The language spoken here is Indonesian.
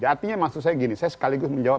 artinya maksud saya gini saya sekaligus menjawab